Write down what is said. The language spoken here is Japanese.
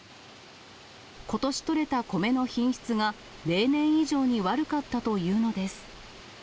ことし取れた米の品質が例年以上に悪かったというのです。